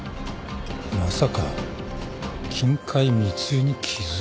まさか金塊密輸に気付いてる？